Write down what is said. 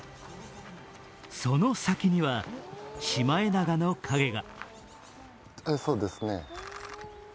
その先にはシマエナガの影が。